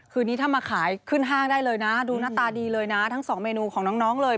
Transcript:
คืนนี้ถ้ามาขายขึ้นห้างได้เลยนะดูหน้าตาดีเลยนะทั้งสองเมนูของน้องเลย